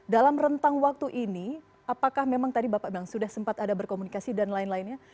dalam rentang waktu ini apakah memang tadi bapak bilang sudah sempat ada berkomunikasi dan lain lainnya